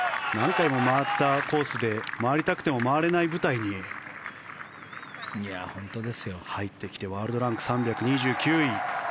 何回も回ったコースで回りたくても回れない舞台に入ってきてワールドランク３２９位。